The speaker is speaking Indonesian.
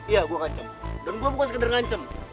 iya gue ngancam dan gue bukan sekedar ngancem